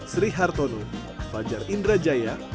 sri hartono fajar indrajaya